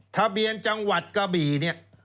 ทะเบียนจังหวัดกระบี่เนี่ย